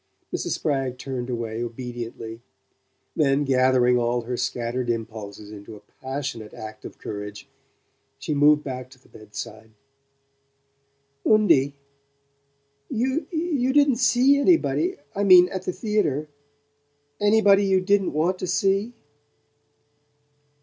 Mrs. Spragg turned away obediently; then, gathering all her scattered impulses into a passionate act of courage, she moved back to the bedside. "Undie you didn't see anybody I mean at the theatre? ANYBODY YOU DIDN'T WANT TO SEE?"